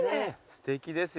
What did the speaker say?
すてきですよね。